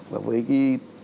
và với cái